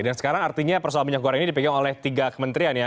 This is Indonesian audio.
dan sekarang artinya persoalan minyak goreng ini dipegang oleh tiga kementerian ya